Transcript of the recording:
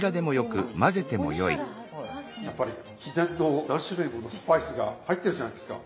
やっぱり秘伝の何種類ものスパイスが入ってるじゃないですか。